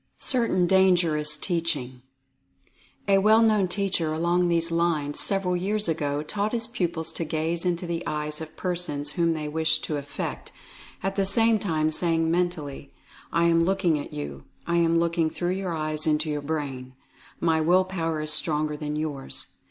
CERTAIN DANGEROUS TEACHING. A well known teacher along these lines several years ago, taught his pupils to gaze into the eyes of persons whom they wished to affect, at the same time saying mentally : "I am looking at you. I am looking through your eyes into your brain. My will power is stronger than yours.